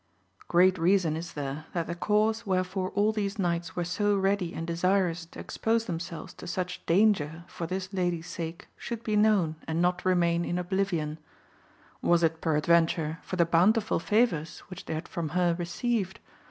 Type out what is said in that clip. EEAT reason is there that the cause wh^e fore all these knights were so ready and desirous to expose themselves to such danger for this lady's sake should be known, and not remain AMADI8 OF GAUL. 85 in oblivion. Was it peradventure for the bountiful favours which they had from her received